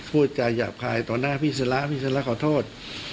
พูดจาหยาบคายต่อหน้าพี่ศิละพี่ศิลาขอโทษ